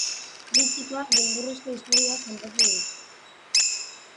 Kritikoak beldurrezko istorioak kontatu ditu.